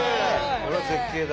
これは絶景だ。